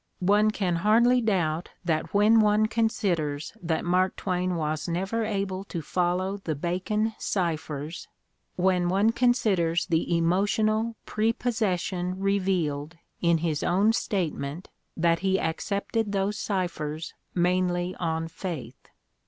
One can hardly doubt that when one considers that Mark Twain was never able to follow the Bacon ciphers, when one considers the emotional prepossession revealed in his own statement that he accepted those ciphers mainly on faith.